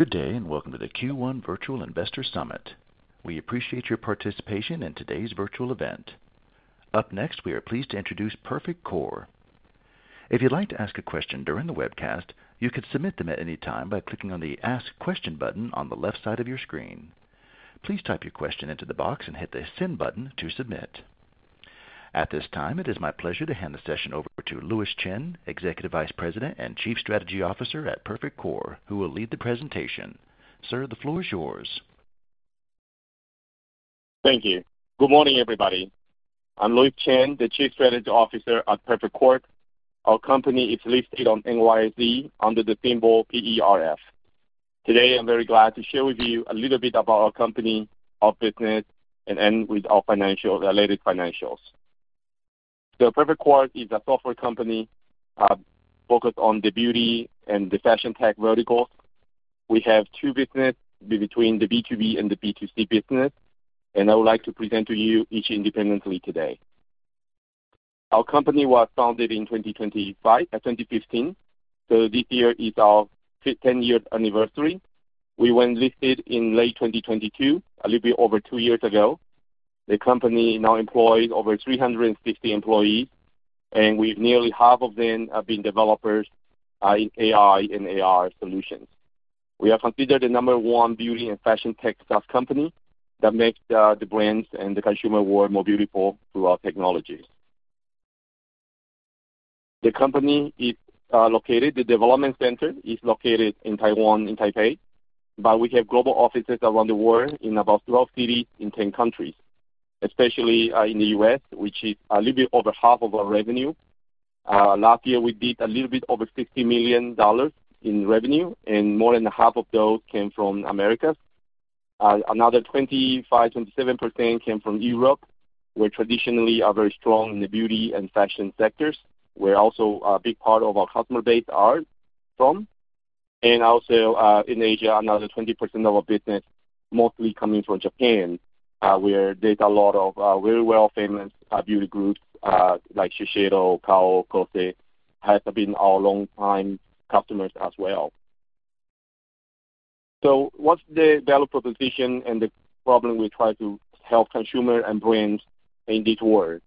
Good day, and welcome to the Q1 Virtual Investor Summit. We appreciate your participation in today's virtual event. Up next, we are pleased to introduce Perfect Corp. If you'd like to ask a question during the webcast, you can submit them at any time by clicking on the ask question button on the left side of your screen. Please type your question into the box and hit the send button to submit. At this time, it is my pleasure to hand the session over to Louis Chen, Executive Vice President and Chief Strategy Officer at Perfect Corp, who will lead the presentation. Sir, the floor is yours. Thank you. Good morning, everybody. I'm Louis Chen, the Chief Strategy Officer at Perfect Corp. Our company is listed on NYSE under the symbol PERF. Today, I'm very glad to share with you a little bit about our company, our business, and end with our related financials. Perfect Corp is a software company focused on the beauty and the fashion tech verticals. We have two businesses between the B2B and the B2C business, and I would like to present to you each independently today. Our company was founded in 2015, so this year is our 10th-year anniversary. We went listed in late 2022, a little bit over two years ago. The company now employs over 350 employees, and nearly half of them have been developers in AI and AR solutions. We are considered the number one beauty and fashion tech company that makes the brands and the consumer world more beautiful through our technologies. The company is located—the development center is located in Taiwan, in Taipei. We have global offices around the world in about 12 cities in 10 countries, especially in the U.S., which is a little bit over half of our revenue. Last year, we did a little bit over $60 million in revenue, and more than half of those came from America. Another 25-27% came from Europe, where traditionally are very strong in the beauty and fashion sectors, where also a big part of our customer base are from. Also in Asia, another 20% of our business mostly coming from Japan, where there is a lot of very well-famous beauty groups like Shiseido, KOSÉ, KOSÉ, has been our long-time customers as well. What's the value proposition and the problem we try to help consumers and brands in this world?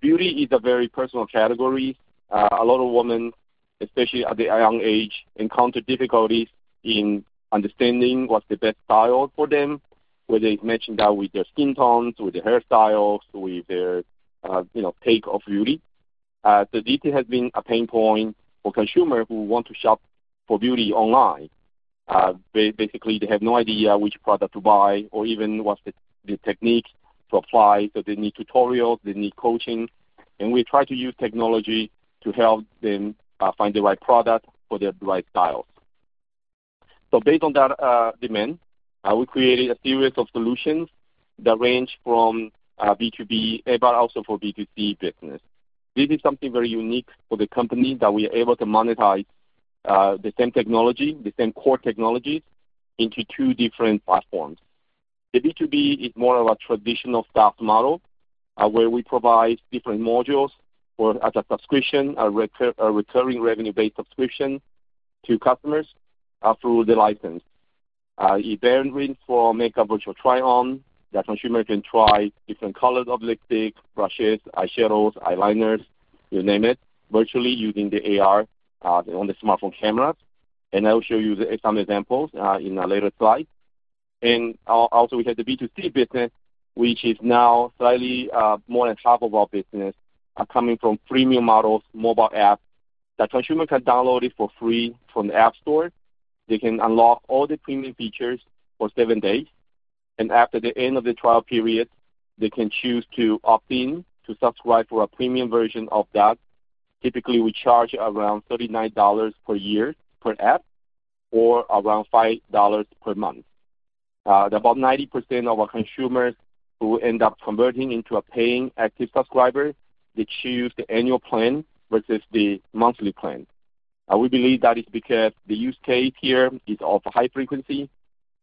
Beauty is a very personal category. A lot of women, especially at a young age, encounter difficulties in understanding what's the best style for them, whether it's matching that with their skin tones, with their hairstyles, with their take of beauty. This has been a pain point for consumers who want to shop for beauty online. Basically, they have no idea which product to buy or even what's the technique to apply. They need tutorials, they need coaching, and we try to use technology to help them find the right product for their right styles. Based on that demand, we created a series of solutions that range from B2B, but also for B2C business. This is something very unique for the company that we are able to monetize the same technology, the same core technologies into two different platforms. The B2B is more of a traditional SaaS model where we provide different modules at a subscription, a recurring revenue-based subscription to customers through the license. It varies from makeup, which you'll try on, that consumer can try different colors of lipstick, brushes, eyeshadows, eyeliners, you name it, virtually using the AR on the smartphone cameras. I will show you some examples in a later slide. Also we have the B2C business, which is now slightly more than half of our business coming from premium models, mobile apps that consumers can download for free from the app store. They can unlock all the premium features for seven days. After the end of the trial period, they can choose to opt in to subscribe for a premium version of that. Typically, we charge around $39 per year per app or around $5 per month. About 90% of our consumers who end up converting into a paying active subscriber choose the annual plan versus the monthly plan. We believe that is because the use case here is of high frequency.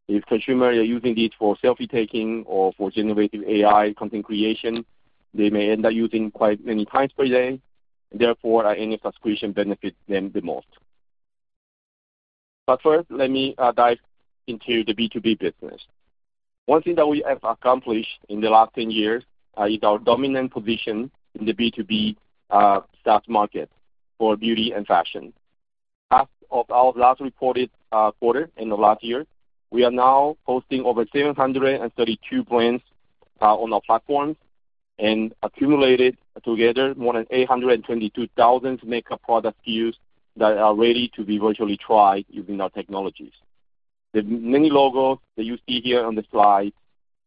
If consumers are using these for selfie taking or for generating AI content creation, they may end up using quite many times per day. Therefore, any subscription benefits them the most. First, let me dive into the B2B business. One thing that we have accomplished in the last 10 years is our dominant position in the B2B market for beauty and fashion. As of our last reported quarter in the last year, we are now hosting over 732 brands on our platforms and accumulated together more than 822,000 makeup product SKUs that are ready to be virtually tried using our technologies. The many logos that you see here on the slide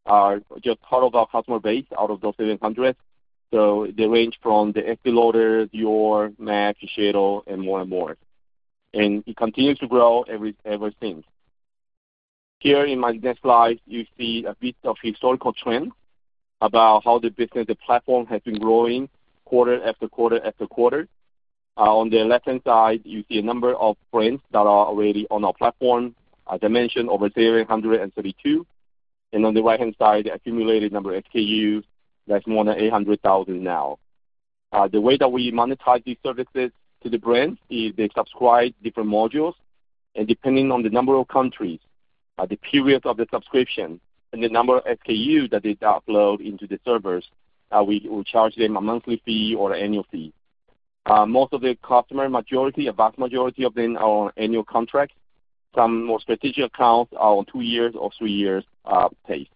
are just part of our customer base out of those 700. They range from Estée Lauder, Dior, MAC, Shiseido, and more and more. It continues to grow ever since. Here in my next slide, you see a bit of historical trends about how the business, the platform has been growing quarter after quarter after quarter. On the left-hand side, you see a number of brands that are already on our platform, as I mentioned, over 732. On the right-hand side, the accumulated number of SKUs, that's more than 800,000 now. The way that we monetize these services to the brands is they subscribe different modules. Depending on the number of countries, the period of the subscription, and the number of SKUs that they upload into the servers, we charge them a monthly fee or an annual fee. Most of the customers, majority, a vast majority of them are on annual contracts. Some more strategic accounts are on two years or three years pace.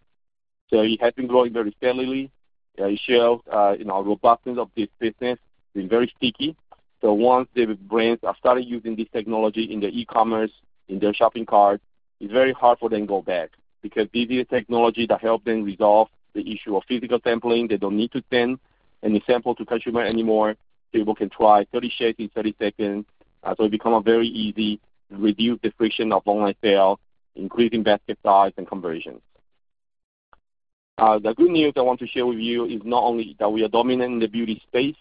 It has been growing very steadily. It shows the robustness of this business. It's been very sticky. Once the brands have started using this technology in their e-commerce, in their shopping cart, it's very hard for them to go back because this is a technology that helps them resolve the issue of physical sampling. They don't need to send any sample to consumers anymore. People can try 30 shades in 30 seconds.It becomes very easy to reduce the friction of online sales, increasing basket size and conversions. The good news I want to share with you is not only that we are dominant in the beauty space.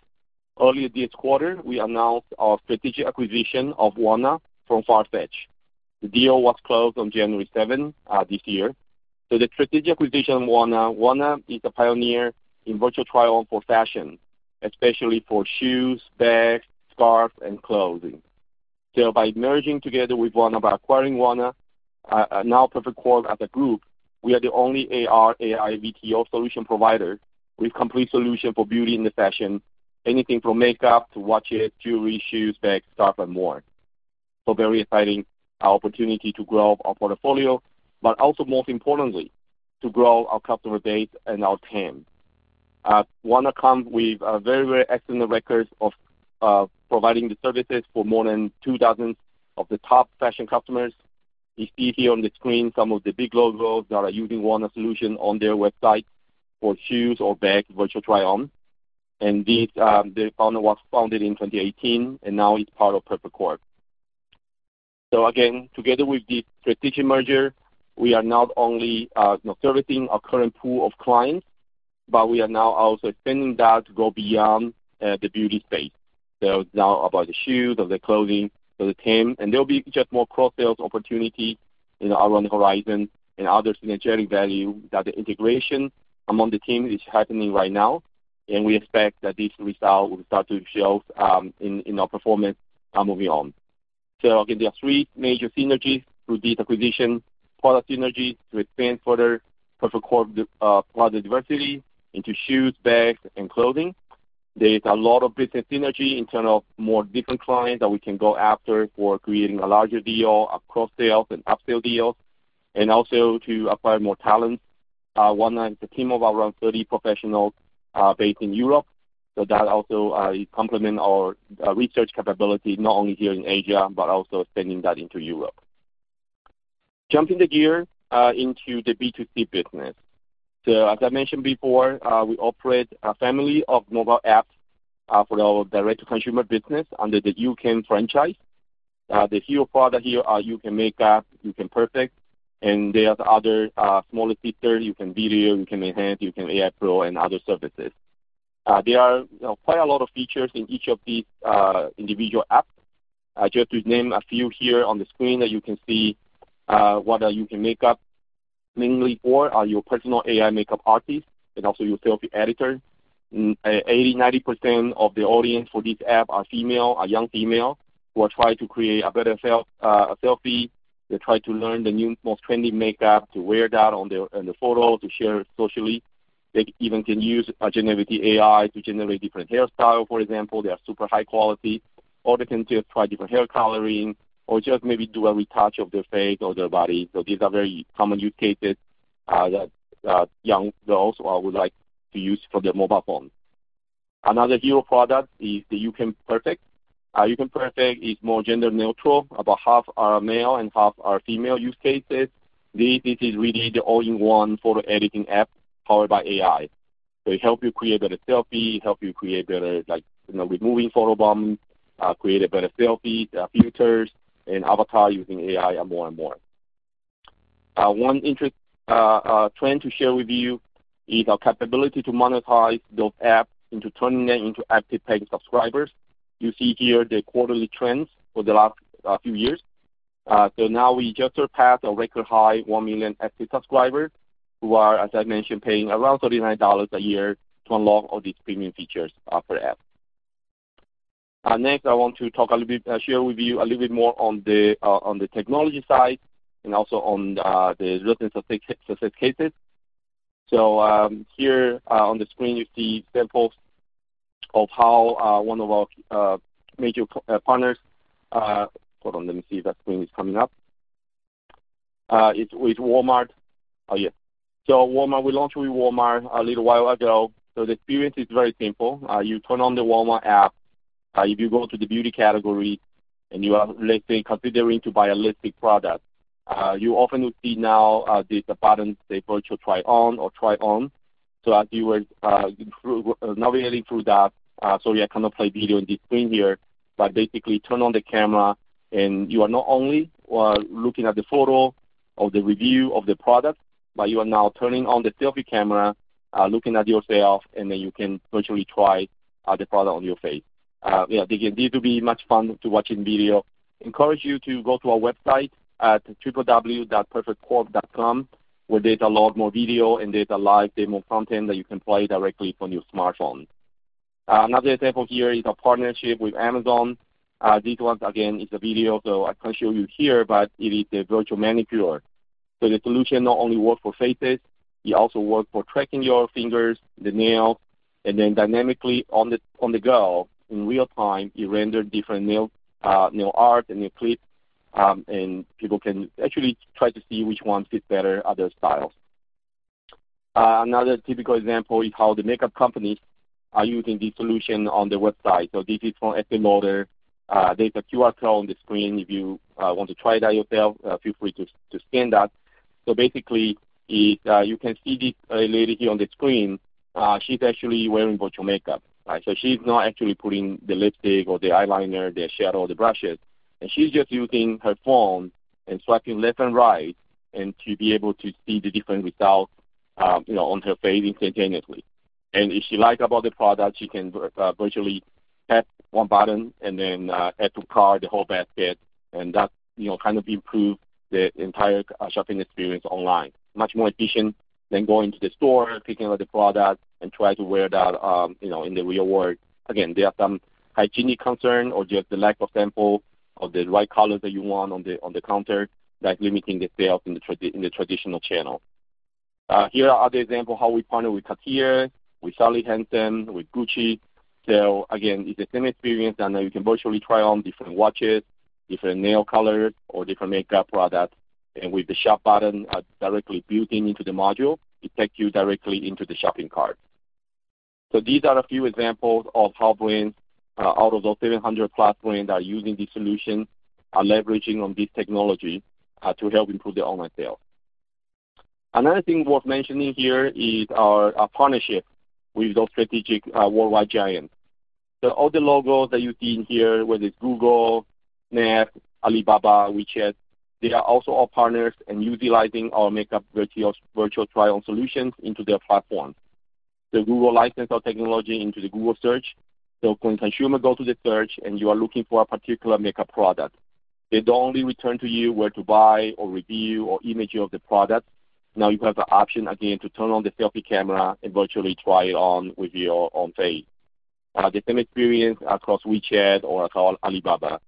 Earlier this quarter, we announced our strategic acquisition of WANNA from FARFETCH. The deal was closed on January 7th this year. The strategic acquisition of WANNA, WANNA is a pioneer in virtual trial for fashion, especially for shoes, bags, scarves, and clothing. By merging together with WANNA, by acquiring WANNA, now Perfect Corp as a group, we are the only AR, AI, VTO solution provider with complete solutions for beauty and fashion, anything from makeup to watches, jewelry, shoes, bags, scarves, and more. Very exciting, our opportunity to grow our portfolio, but also most importantly, to grow our customer base and our team. WANNA comes with very, very excellent records of providing the services for more than two dozen of the top fashion customers. You see here on the screen some of the big logos that are using WANNA solutions on their website for shoes or bag virtual try-on. They founded in 2018, and now it's part of Perfect Corp. Together with this strategic merger, we are not only servicing our current pool of clients, but we are now also extending that to go beyond the beauty space. It's now about the shoes or the clothing for the team. There will be just more cross-sales opportunities around the horizon and other synergetic value that the integration among the team is happening right now. We expect that this result will start to show in our performance moving on. Again, there are three major synergies through this acquisition: product synergies to expand further Perfect Corp product diversity into shoes, bags, and clothing. There is a lot of business synergy in terms of more different clients that we can go after for creating a larger deal, cross-sales and up-sale deals, and also to acquire more talents. WANNA is a team of around 30 professionals based in Europe. That also complements our research capability not only here in Asia, but also extending that into Europe. Jumping the gear into the B2C business. As I mentioned before, we operate a family of mobile apps for our direct-to-consumer business under the YouCam franchise. The few products here are YouCam Makeup, YouCam Perfect, and there are other smaller sisters, YouCam Video, YouCam Enhance, YouCam AI Pro, and other services. There are quite a lot of features in each of these individual apps. Just to name a few here on the screen that you can see what YouCam Makeup mainly for are your personal AI makeup artist and also your selfie editor. 80-90% of the audience for this app are female, young females who are trying to create a better selfie. They try to learn the new, most trendy makeup to wear that on the photo to share socially. They even can use generative AI to generate different hairstyles, for example. They are super high quality. Or they can just try different hair coloring or just maybe do a retouch of their face or their body. These are very common use cases that young girls would like to use for their mobile phones. Another hero product is the YouCam Perfect. YouCam Perfect is more gender neutral, about half are male and half are female use cases. This is really the all-in-one photo editing app powered by AI. It helps you create better selfie, helps you create better removing photobombs, create better selfies, filters, and avatar using AI and more and more. One interesting trend to share with you is our capability to monetize those apps into turning them into active paying subscribers. You see here the quarterly trends for the last few years. We just surpassed a record high, one million active subscribers who are, as I mentioned, paying around $39 a year to unlock all these premium features for the app. Next, I want to talk a little bit, share with you a little bit more on the technology side and also on the real success cases. Here on the screen, you see examples of how one of our major partners—hold on, let me see if that screen is coming up—is Walmart. Oh, yeah. Walmart, we launched with Walmart a little while ago. The experience is very simple. You turn on the Walmart app. If you go to the beauty category and you are considering to buy a lipstick product, you often will see now this button, say, virtual try-on or try-on. As you were navigating through that, sorry, I cannot play video on this screen here, but basically turn on the camera and you are not only looking at the photo or the review of the product, but you are now turning on the selfie camera, looking at yourself, and then you can virtually try the product on your face. Yeah, again, this will be much fun to watch in video. Encourage you to go to our website at www.perfectcorp.com, where there's a lot more video and there's a live demo content that you can play directly from your smartphone. Another example here is our partnership with Amazon. This one, again, is a video, so I can't show you here, but it is the virtual manicure. The solution not only works for faces, it also works for tracking your fingers, the nails, and then dynamically on the go in real time, it renders different nail art and clips, and people can actually try to see which one fits better at their styles. Another typical example is how the makeup companies are using this solution on their website. This is from Estée Lauder. There's a QR code on the screen. If you want to try it out yourself, feel free to scan that. Basically, you can see this lady here on the screen. She's actually wearing virtual makeup. She's not actually putting the lipstick or the eyeliner, the shadow, the brushes. She's just using her phone and swiping left and right to be able to see the different results on her face instantaneously. If she likes about the product, she can virtually tap one button and then add to cart the whole basket. That kind of improves the entire shopping experience online. Much more efficient than going to the store, picking up the product, and trying to wear that in the real world. There are some hygienic concerns or just the lack of sample of the right colors that you want on the counter that's limiting the sales in the traditional channel. Here are other examples of how we partner with Cartier, with Gucci. Again, it's the same experience. You can virtually try on different watches, different nail colors, or different makeup products. With the shop button directly built into the module, it takes you directly into the shopping cart. These are a few examples of how brands out of those 700-plus brands that are using this solution are leveraging on this technology to help improve their online sales. Another thing worth mentioning here is our partnership with those strategic worldwide giants. All the logos that you see in here, whether it's Google, Snap, Alibaba, WeChat, they are also our partners and utilizing our makeup virtual trial solutions into their platform. Google licensed our technology into the Google search. When consumers go to the search and you are looking for a particular makeup product, they do not only return to you where to buy or review or image of the product. Now you have the option, again, to turn on the selfie camera and virtually try it on with your own face. The same experience across WeChat or across Alibaba.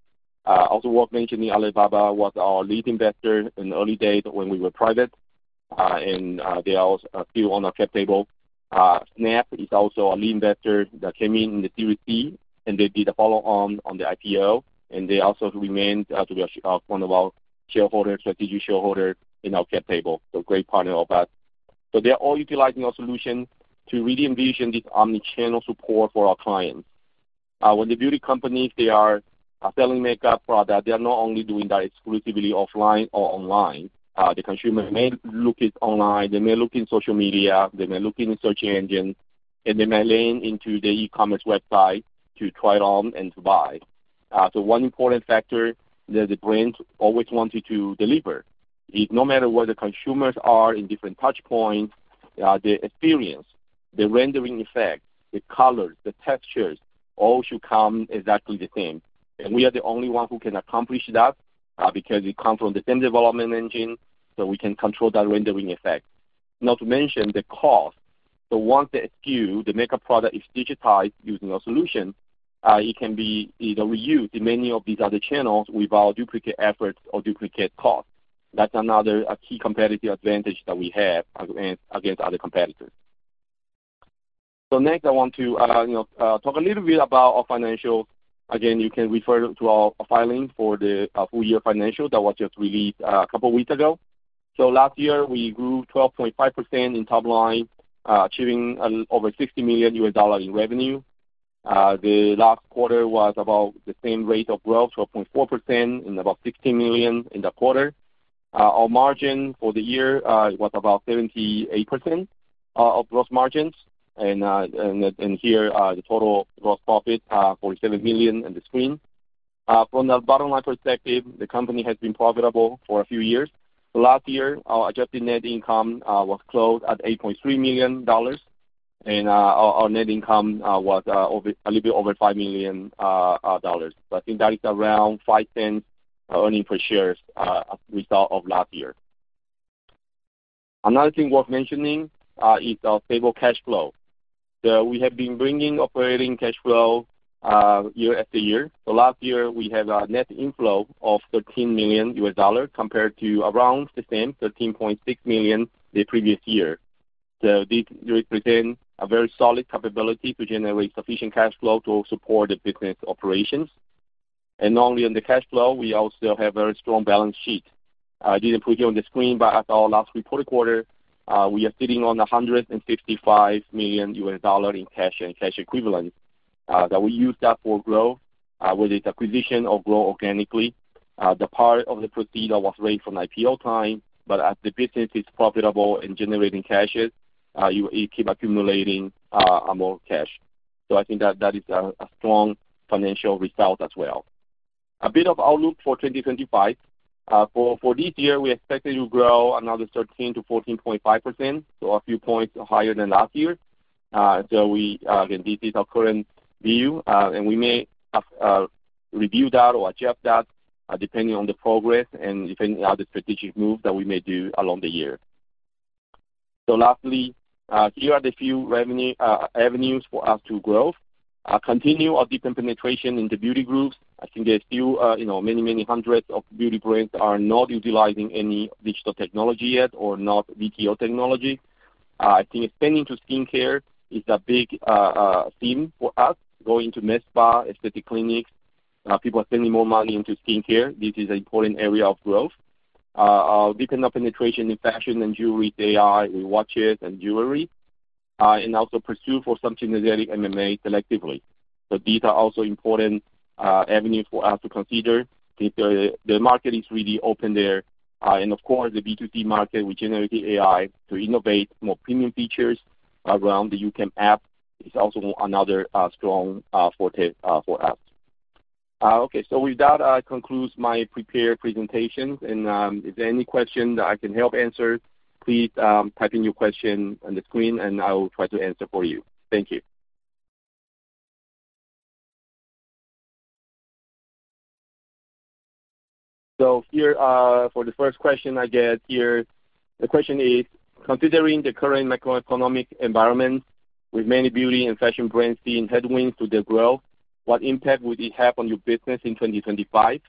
Also worth mentioning, Alibaba was our lead investor in the early days when we were private. They are still on our cap table. Snap is also a lead investor that came in in the Series C, and they did a follow-on on the IPO. They also remained to be one of our strategic shareholders in our cap table. Great partner of us. They are all utilizing our solution to really envision this omnichannel support for our clients. When the beauty companies, they are selling makeup products, they are not only doing that exclusively offline or online. The consumer may look at online, they may look in social media, they may look in the search engine, and they may lean into the e-commerce website to try it on and to buy. One important factor that the brands always wanted to deliver is no matter where the consumers are in different touch points, the experience, the rendering effect, the colors, the textures, all should come exactly the same. We are the only ones who can accomplish that because it comes from the same development engine, so we can control that rendering effect. Not to mention the cost. Once the SKU, the makeup product, is digitized using our solution, it can be either reused in many of these other channels without duplicate efforts or duplicate costs. That's another key competitive advantage that we have against other competitors. Next, I want to talk a little bit about our financials. Again, you can refer to our filing for the full-year financials that was just released a couple of weeks ago. Last year, we grew 12.5% in top line, achieving over $50 million in revenue. The last quarter was about the same rate of growth, 12.4%, and about $15 million in the quarter. Our margin for the year was about 78% of gross margins. Here, the total gross profit is $47 million on the screen. From the bottom-line perspective, the company has been profitable for a few years. Last year, our adjusted net income was closed at $8.3 million, and our net income was a little bit over $5 million. I think that is around $0.05 earnings per share as a result of last year. Another thing worth mentioning is our stable cash flow. We have been bringing operating cash flow year after year. Last year, we had a net inflow of $13 million compared to around the same $13.6 million the previous year. This represents a very solid capability to generate sufficient cash flow to support the business operations. Not only on the cash flow, we also have a very strong balance sheet. I did not put it on the screen, but as our last report quarter, we are sitting on $155 million in cash and cash equivalents that we used up for growth, whether it is acquisition or growth organically. The part of the procedure was raised from IPO time, but as the business is profitable and generating cash, it keeps accumulating more cash. I think that that is a strong financial result as well. A bit of outlook for 2025. For this year, we expect it to grow another 13-14.5%, so a few points higher than last year. Again, this is our current view. We may review that or adjust that depending on the progress and depending on the strategic moves that we may do along the year. Lastly, here are the few avenues for us to grow. Continue our deeper penetration into beauty groups. I think there's still many, many hundreds of beauty brands that are not utilizing any digital technology yet or not VTO technology. I think expanding to skincare is a big theme for us. Going to med spa, aesthetic clinics, people are spending more money into skincare. This is an important area of growth. Deep enough penetration in fashion and jewelry, AI with watches and jewelry, and also pursue for some synergetic M&A selectively. These are also important avenues for us to consider if the market is really open there. Of course, the B2C market, we generate the AI to innovate more premium features around the YouCam app. It is also another strong forte for us. Okay. With that, I conclude my prepared presentation. If there are any questions that I can help answer, please type in your question on the screen, and I will try to answer for you. Thank you. Here, for the first question I get here, the question is, "Considering the current macroeconomic environment with many beauty and fashion brands seeing headwinds to their growth, what impact would it have on your business in 2025?"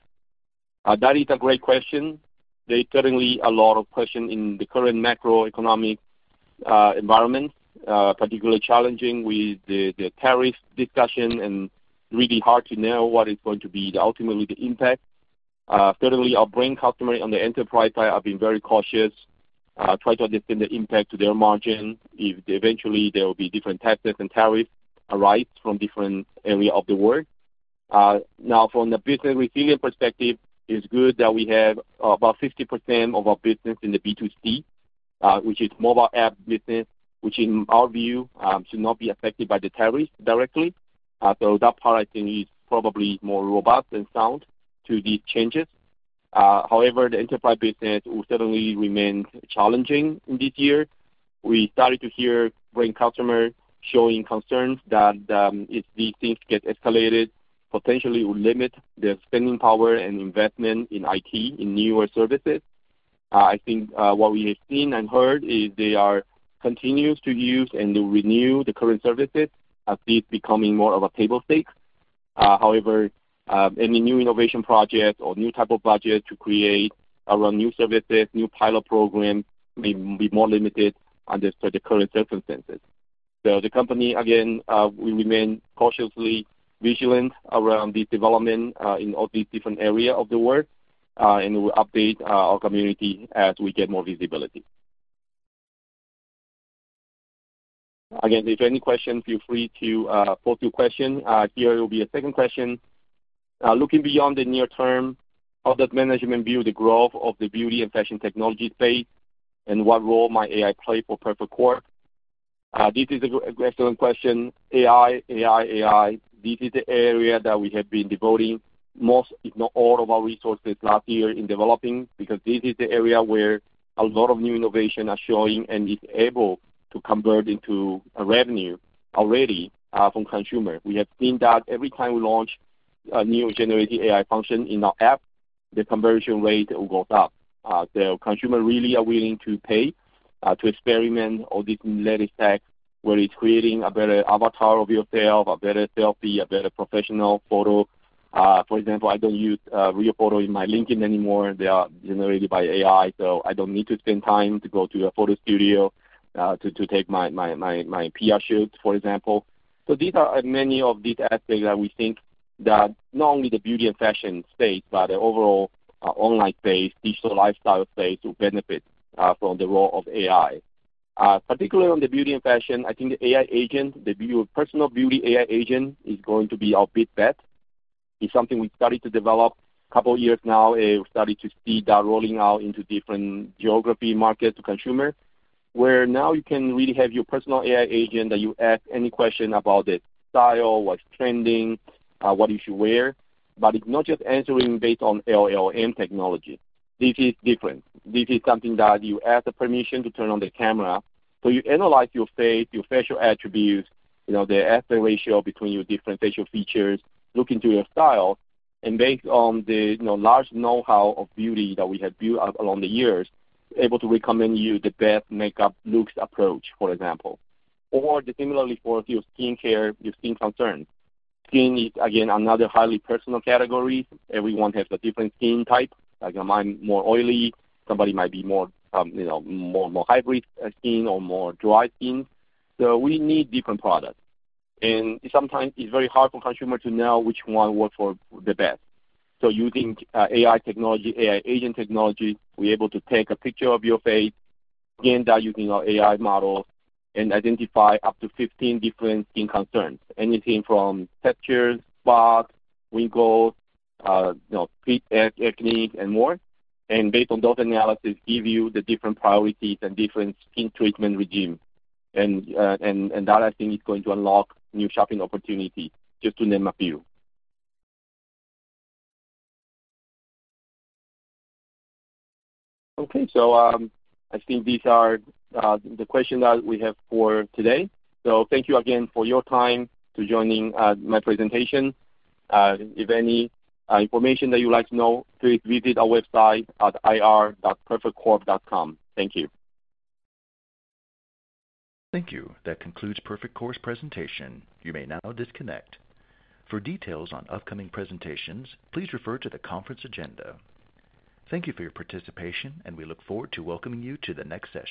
That is a great question. There is certainly a lot of questions in the current macroeconomic environment, particularly challenging with the tariff discussion and really hard to know what is going to be ultimately the impact. Certainly, our brand customers on the enterprise side have been very cautious, trying to understand the impact to their margin if eventually there will be different taxes and tariffs arise from different areas of the world. Now, from the business resilient perspective, it's good that we have about 50% of our business in the B2C, which is mobile app business, which in our view should not be affected by the tariffs directly. That part, I think, is probably more robust and sound to these changes. However, the enterprise business will certainly remain challenging in this year. We started to hear brand customers showing concerns that if these things get escalated, potentially it will limit their spending power and investment in IT, in newer services. I think what we have seen and heard is they are continuous to use and renew the current services as this is becoming more of a table stake. However, any new innovation projects or new type of budgets to create around new services, new pilot programs may be more limited under the current circumstances. The company, again, will remain cautiously vigilant around this development in all these different areas of the world, and we will update our community as we get more visibility. Again, if there are any questions, feel free to post your question. Here will be a second question. Looking beyond the near term, how does management view the growth of the beauty and fashion technology space, and what role might AI play for Perfect Corp? This is an excellent question. AI, AI, AI. This is the area that we have been devoting most, if not all, of our resources last year in developing because this is the area where a lot of new innovation is showing and is able to convert into revenue already from consumers. We have seen that every time we launch a new Generative AI function in our app, the conversion rate goes up. Consumers really are willing to pay to experiment all these latest techs, whether it's creating a better avatar of yourself, a better selfie, a better professional photo. For example, I don't use real photos in my LinkedIn anymore. They are generated by AI, so I don't need to spend time to go to a photo studio to take my PR shoot, for example. These are many of these aspects that we think that not only the beauty and fashion space, but the overall online space, digital lifestyle space will benefit from the role of AI. Particularly on the beauty and fashion, I think the AI agent, the personal beauty AI agent is going to be our big bet. It's something we started to develop a couple of years now. We started to see that rolling out into different geographies, markets to consumers, where now you can really have your personal AI agent that you ask any question about its style, what's trending, what you should wear. It's not just answering based on LLM technology. This is different. This is something that you ask the permission to turn on the camera. You analyze your face, your facial attributes, the aspect ratio between your different facial features, look into your style. Based on the large know-how of beauty that we have built up along the years, able to recommend you the best makeup looks approach, for example. Similarly for your skincare, your skin concerns. Skin is, again, another highly personal category. Everyone has a different skin type. Like mine is more oily. Somebody might be more hybrid skin or more dry skin. We need different products. Sometimes it is very hard for consumers to know which one works for the best. Using AI technology, AI agent technology, we're able to take a picture of your face, scan that using our AI model, and identify up to 15 different skin concerns, anything from textures, spots, wrinkles, feet techniques, and more. Based on those analyses, give you the different priorities and different skin treatment regime. That, I think, is going to unlock new shopping opportunities, just to name a few. Okay. I think these are the questions that we have for today. Thank you again for your time to join my presentation. If any information that you'd like to know, please visit our website at ir.perfectcorp.com. Thank you. Thank you. That concludes Perfect Corp's presentation. You may now disconnect. For details on upcoming presentations, please refer to the conference agenda. Thank you for your participation, and we look forward to welcoming you to the next session.